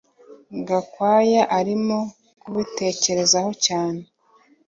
Gakwaya arimo kubitekerezaho cyane